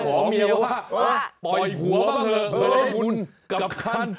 ขอเมียว่าปล่อยหัวบ้างเหอะเผื่อได้ภูมิกับท่าน